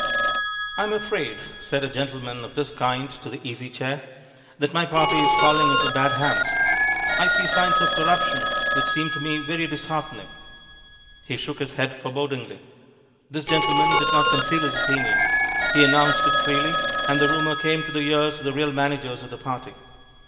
"I am afraid," said a gentleman of this kind to the Easy Chair, "that my party is falling into bad hands. I see signs of corruption which seem to me very disheartening." He shook his head forebodingly. This gentleman did not conceal his opinion. He announced it freely, and the rumor came to the ears of the real managers of the party.